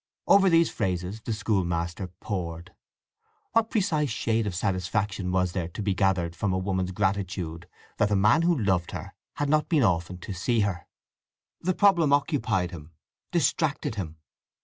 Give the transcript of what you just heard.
Over these phrases the school master pored. What precise shade of satisfaction was to be gathered from a woman's gratitude that the man who loved her had not been often to see her? The problem occupied him, distracted him.